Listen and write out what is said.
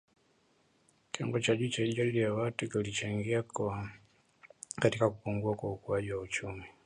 Kiwango cha juu cha idadi ya watu kilichangia katika kupungua kwa ukuaji wa uchumi.